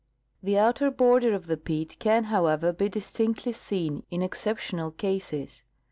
The outer border of the pit can, however, l)e distinctly seen in exceptional cases.